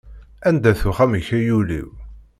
Anda-t uxxam-ik ay ul-iw.